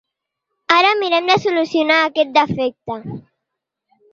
Ara mirem de solucionar aquest defecte.